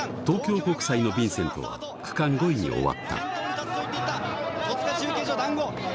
東京国際のヴィンセントは区間５位に終わった戸塚中継所だんご！